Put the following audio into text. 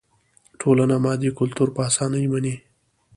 ټولنه مادي کلتور په اسانۍ مني.